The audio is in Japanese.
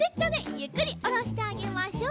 ゆっくりおろしてあげましょう。